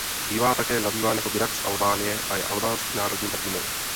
Bývá také nazýván jako ""Drak z Albánie"" a je albánským národním hrdinou.